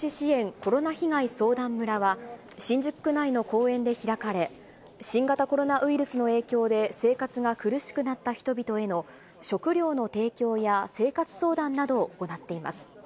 コロナ被害相談村は、新宿区内の公園で開かれ、新型コロナウイルスの影響で生活が苦しくなった人々への食料の提供や生活相談などを行っています。